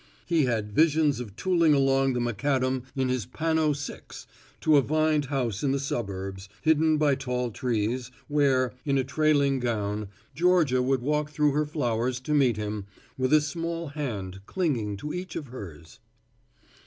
He had visions of tooling along the macadam in his Panno Six to a vined house in the suburbs, hidden by tall trees, where, in a trailing gown, Georgia would walk through her flowers to meet him, with a small hand clinging to each of hers.